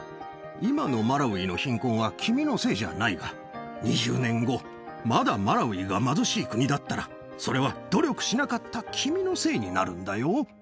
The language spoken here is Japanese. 今のマラウイの貧困は君のせいじゃないが、２０年後、まだマラウイが貧しい国だったら、それは努力しなかった君のせいになるんだよ。